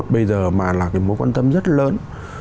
bây giờ mà là cái mối quan tâm rất lớn